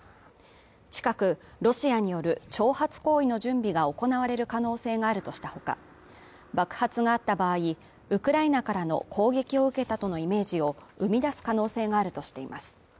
近くロシアによる挑発行為の準備が行われる可能性があるとした他、爆発があった場合、ウクライナからの攻撃を受けたとのイメージを生み出す可能性があるとしています。